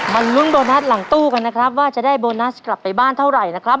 ลุ้นโบนัสหลังตู้กันนะครับว่าจะได้โบนัสกลับไปบ้านเท่าไหร่นะครับ